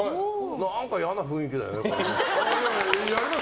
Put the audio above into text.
何か嫌な雰囲気だよね。